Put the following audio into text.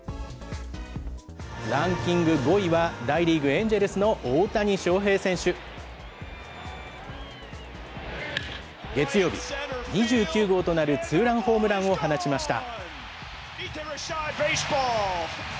ランキング５位は、大リーグ・エンジェルスの大谷翔平選手。月曜日、２９号となるツーランホームランを放ちました。